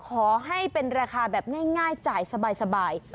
ขอให้เป็นราคาแบบง่ายจ่ายสบาย